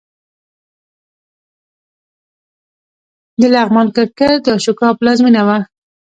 د لغمان کرکټ د اشوکا پلازمېنه وه